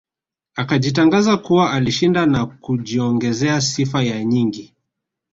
Akajitangaza kuwa alishinda na kujiongezea sifa ya nyingi